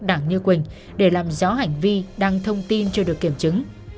đảng như quỳnh để làm rõ hành vi đăng thông tin chưa được kiểm chứng